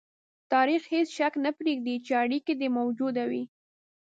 تاریخ هېڅ شک نه پرېږدي چې اړیکه دې موجوده وي.